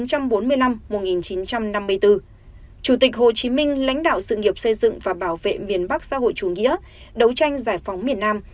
chủ tịch hồ chí minh lãnh đạo sự nghiệp xây dựng và bảo vệ miền bắc xã hội chủ nghĩa đấu tranh giải phóng miền nam